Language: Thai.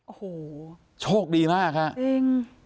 โอ้โหโชคดีมากฮะจริง